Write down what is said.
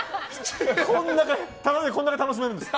タダでこれだけ楽しめるんです。